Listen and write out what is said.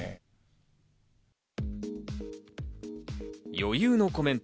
余裕のコメント。